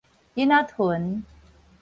囡仔豚